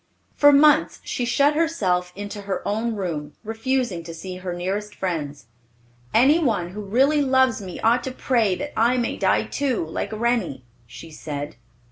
For months she shut herself into her own room, refusing to see her nearest friends. "Any one who really loves me ought to pray that I may die, too, like Rennie," she said.